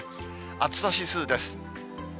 暑さ指数です。